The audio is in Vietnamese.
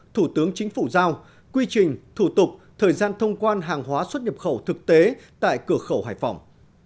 thủ tướng chính phủ giao quy trình thủ tục thời gian thông quan hàng hóa xuất nhập khẩu thực tế tại cửa khẩu hải phòng